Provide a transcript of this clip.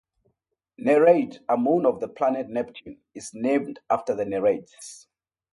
Nereid, a moon of the planet Neptune, is named after the Nereids.